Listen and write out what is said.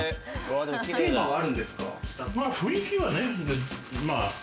テーマがあるんですか？